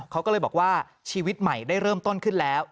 เขาก็เลยบอกว่าชีวิตใหม่ได้เริ่มต้นขึ้นแล้ว